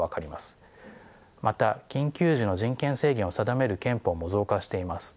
また緊急時の人権制限を定める憲法も増加しています。